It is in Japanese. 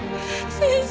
先生！